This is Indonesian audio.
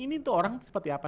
ini untuk orang seperti apa